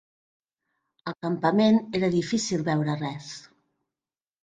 Al campament, era difícil veure res.